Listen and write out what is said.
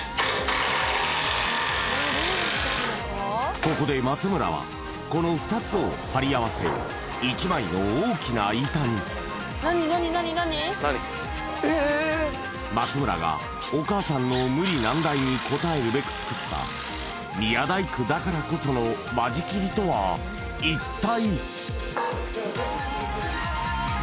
ここで松村はこのに松村がお母さんの無理難題に応えるべく作った宮大工だからこその間仕切りとは一体？